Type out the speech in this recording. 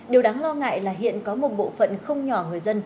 điều đáng lo ngại là hiện có một bộ phận không nhỏ người dân